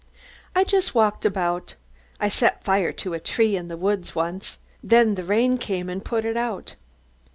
"I just walked about. I set fire to a tree in the woods once, then the rain came and put it out.